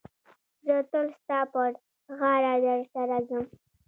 زه تل ستا پر غاړه در سره ځم.